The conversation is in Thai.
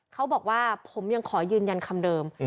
เขาบอกว่าผมยังขอยืนยันคำเดิม